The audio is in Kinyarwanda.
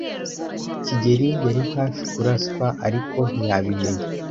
kigeli yari hafi kuraswa, ariko ntiyabimenya.